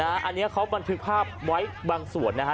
อันนี้เขาบันทึกภาพไว้บางส่วนนะฮะ